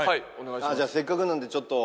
じゃあせっかくなんでちょっと。